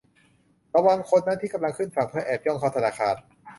ระวังคนนั้นที่กำลังขึ้นฝั่งเพื่อแอบย่องเข้าธนาคาร